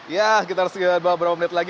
ya kita harus berapa menit lagi